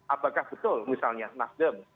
apakah betul misalnya nasdem